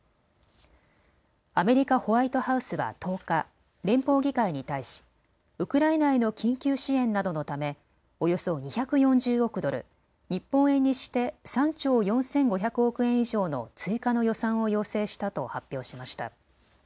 アメリカ・ホワイトハウスは１０日、連邦議会に対しウクライナへの緊急支援などのため、およそ２４０億ドル日本円にして３兆４５００億円以上の追加の予算を要請したと発表しました。